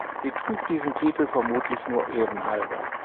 Sie trug diesen Titel vermutlich nur ehrenhalber.